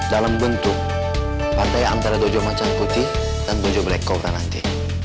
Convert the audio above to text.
dalam bentuk partai antara dojo macang putih dan dojo black cobra nanti